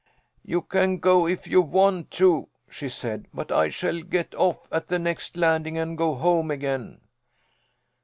"You can go if you want to," she said. "But I shall get off at the next landing and go home again."